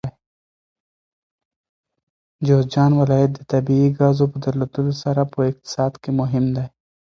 جوزجان ولایت د طبیعي ګازو په درلودلو سره په اقتصاد کې مهم دی.